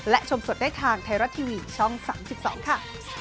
และชมสดได้ทางไทยรัฐทีวีช่อง๓๒ค่ะ